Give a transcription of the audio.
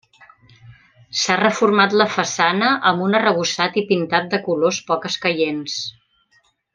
S'ha reformat la façana, amb un arrebossat i pintat de colors poc escaients.